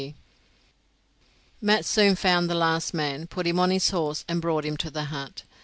Mat soon found the last man, put him on his horse, and brought him to the hut.